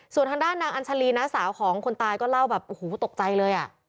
ส่วนทางด้านนางอัญชาลีน้าสาวของคนตายก็เล่าแบบโอ้โหตกใจเลยอ่ะ